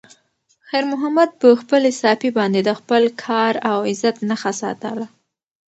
خیر محمد په خپلې صافې باندې د خپل کار او عزت نښه ساتله.